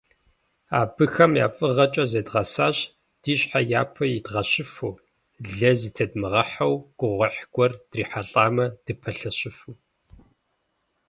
Абыхэм я фӀыгъэкӀэ зедгъэсащ ди щхьэ япэ идгъэщыфу, лей зытедмыгъэхьэу, гугъуехь гуэр дрихьэлӀамэ, дыпэлъэщыфу.